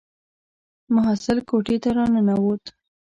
محصل کوټې ته را ننووت.